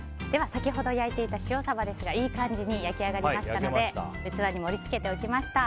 先ほど焼いていた塩サバですがいい感じに焼き上がりましたので器に盛り付けておきました。